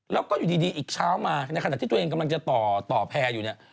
แล้วก็อยู่ดีอีกเช้ามาในขณะที่ตัวเองกำลังจะต่อแพร่อยู่เนี่ย